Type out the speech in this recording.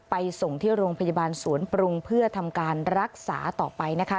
ส่งที่โรงพยาบาลสวนปรุงเพื่อทำการรักษาต่อไปนะคะ